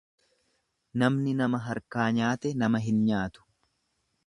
Namni nama harkaa nyaate nama hin nyaatu.